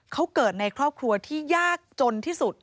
เขาเกิดในครอบครัวที่ยากจนที่สุด